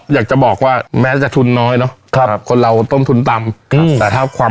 อยากจะบอกว่าแม้จะทุนน้อยเนอะครับคนเราต้มทุนต่ำอืมแต่ถ้าความ